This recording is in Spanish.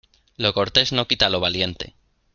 Lo cortés no quita lo valiente.